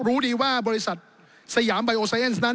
รู้ดีว่าบริษัทสยามไยโอไซเอ็นซ์นั้น